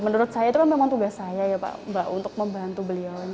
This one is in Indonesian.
menurut saya itu kan memang tugas saya ya pak untuk membantu beliau